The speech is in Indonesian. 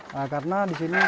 nah karena di sini